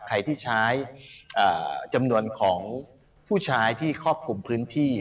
ใครที่ใช้จำนวนของผู้ชายที่ครอบคลุมพื้นที่